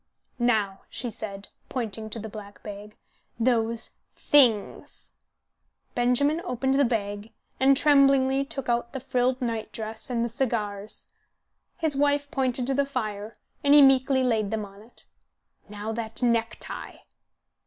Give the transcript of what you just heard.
"Now," she said, pointing to the black bag, "those things!" Benjamin opened the bag, and tremblingly took out the frilled night dress and the cigars. His wife pointed to the fire, and he meekly laid them on it. "Now that necktie."